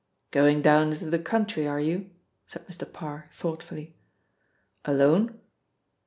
"Going down into the country are you?" said Mr. Parr thoughtfully. "Alone?"